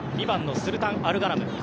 ２番のスルタン・アルガナム